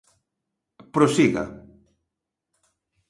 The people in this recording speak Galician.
Prosiga.